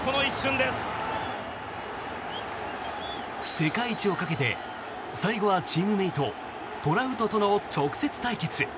世界一をかけて最後はチームメート、トラウトとの直接対決。